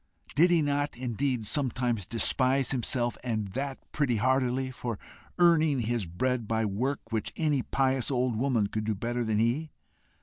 Did he not, indeed, sometimes despise himself, and that pretty heartily, for earning his bread by work which any pious old woman could do better than he?